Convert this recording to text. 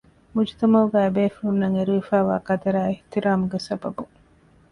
މުޖުތަމަޢުގައި އެ ބޭފުޅުންނަށް އެރުވިފައިވާ ޤަދަރާއި އިޙުތިރާމުގެ ސަބަބުން